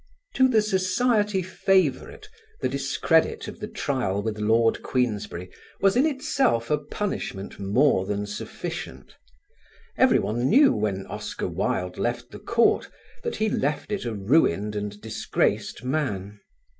To the society favourite the discredit of the trial with Lord Queensberry was in itself a punishment more than sufficient. Everyone knew when Oscar Wilde left the court that he left it a ruined and disgraced man.